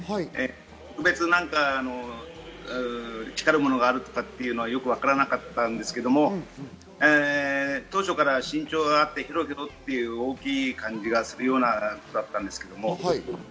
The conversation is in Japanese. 特別、力があるとか、そういうのはよくわからなかったんですけど、当初から身長があって大きい感じがするような子だったんですけど。